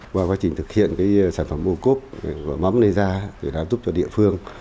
qua quá trình thực hiện sản phẩm ô cốt của mắm leza để đảm giúp cho địa phương